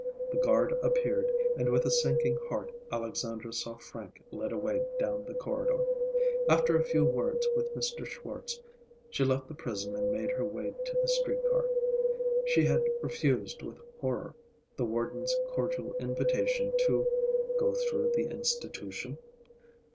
The guard appeared, and with a sinking heart Alexandra saw Frank led away down the corridor. After a few words with Mr. Schwartz, she left the prison and made her way to the street car. She had refused with horror the warden's cordial invitation to "go through the institution."